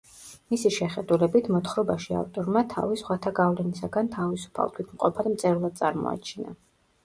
მისი შეხედულებით, მოთხრობაში ავტორმა თავი სხვათა გავლენისაგან თავისუფალ, თვითმყოფად მწერლად წარმოაჩინა.